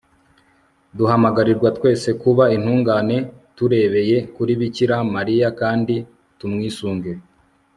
duhamagarirwa twese kuba intungane turebeye kuri bikira mariya kandi tumwisunga